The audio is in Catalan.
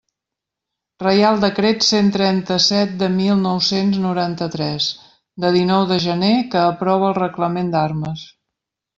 Reial Decret cent trenta-set de mil nou-cents noranta-tres, de dinou de gener, que aprova el Reglament d'Armes.